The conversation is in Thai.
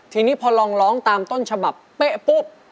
ทีนี้พอลองร้องตามต้นฉบับเป๊ะปุ๊บ